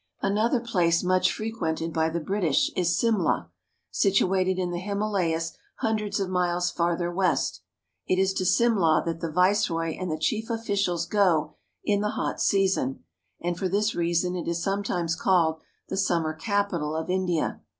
Another place much frequented by the British is Simla, situated in the Himalayas hundreds of miles farther west. It is to Simla that the Viceroy and the chief officials go in the hot season, and for this reason it is sometimes called the summer capital of India.